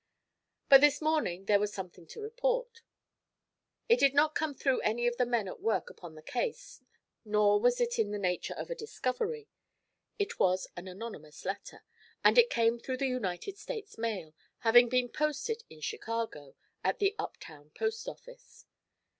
But this morning there was something to report. It did not come through any of the men at work upon the case, nor was it in the nature of a discovery. It was an anonymous letter, and it came through the United States mail, having been posted in Chicago, at the up town post office.